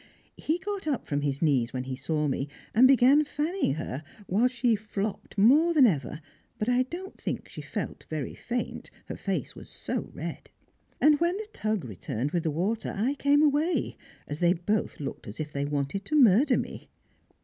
He got up from his knees when he saw me, and began fanning her, while she flopped more than ever, but I don't think she felt very faint, her face was so red. And when "the Tug" returned with the water I came away, as they both looked as if they wanted to murder me.